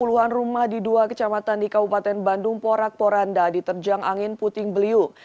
puluhan rumah di dua kecamatan di kabupaten bandung porak poranda diterjang angin puting beliung